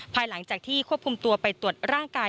ภายหลังจากที่ควบคุมตัวไปตรวจร่างกาย